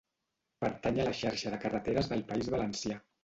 Pertany a la Xarxa de carreteres del País Valencià.